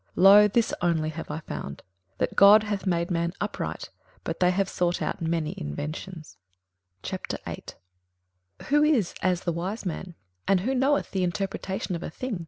21:007:029 Lo, this only have I found, that God hath made man upright; but they have sought out many inventions. 21:008:001 Who is as the wise man? and who knoweth the interpretation of a thing?